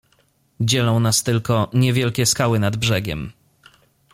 "Dzielą nas tylko niewielkie skały nad brzegiem."